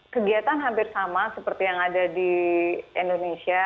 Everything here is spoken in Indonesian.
kegiatan hampir sama seperti yang ada di indonesia